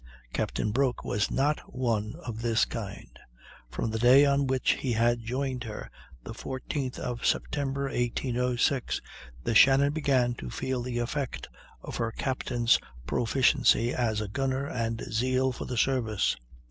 Captain Broke was not one of this kind. From the day on which he had joined her, the 14th of September, 1806, the Shannon began to feel the effect of her captain's proficiency as a gunner and zeal for the service.